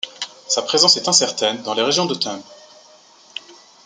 Sa présence est incertaine dans la région de Tumbes.